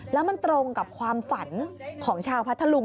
แล้วมันตรงกับความฝันของชาวพัทธลุง